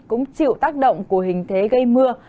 cũng chịu tác động của hình thế gây mưa